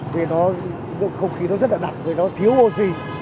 vì không khí nó rất là nặng vì nó thiếu oxy